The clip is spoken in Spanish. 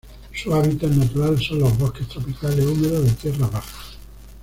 Su hábitat natural son los bosques tropicales húmedo de tierras bajas.